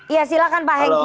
ya silakan pak hengki